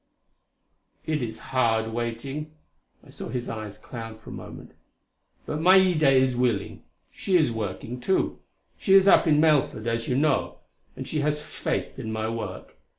"It is hard waiting," I saw his eyes cloud for a moment "but Maida is willing. She is working, too she is up in Melford as you know and she has faith in my work.